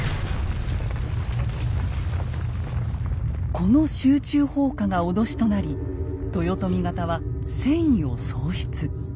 この集中放火が脅しとなり豊臣方は戦意を喪失。